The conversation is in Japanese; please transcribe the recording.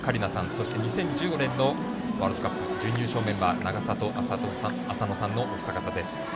そして２０１５年のワールドカップ、準優勝メンバー永里亜紗乃さんのお二方です。